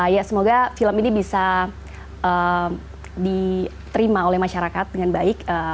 ya semoga film ini bisa diterima oleh masyarakat dengan baik